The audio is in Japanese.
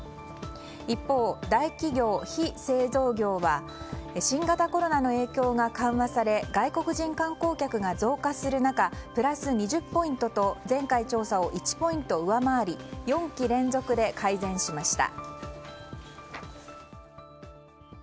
一方、大企業・非製造業は新型コロナの影響が緩和され外国人観光客が増加する中プラス２０ポイントと前回調査を１ポイント上回り４期連続で改善しました。